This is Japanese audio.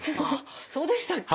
そうでしたっけ？